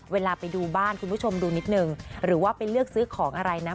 เวลาไปดูบ้านคุณผู้ชมดูนิดนึงหรือว่าไปเลือกซื้อของอะไรนะ